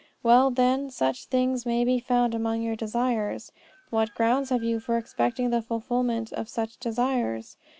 Well, then, such things being found among your desires, what grounds have you for expecting the fulfilment of such desires?